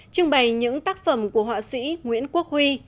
trưng bày những tác phẩm của họa sĩ nguyễn quốc huy